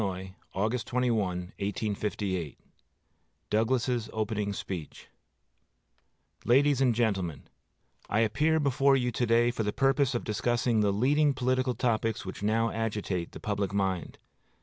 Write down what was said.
AUGUST 21, 1858 Douglas's Opening Speech LADIES AND GENTLEMEN: I appear before you to day for the purpose of discussing the leading political topics which now agitate the public mind.